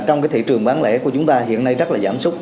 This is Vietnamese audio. trong cái thị trường bán lẻ của chúng ta hiện nay rất là giảm súc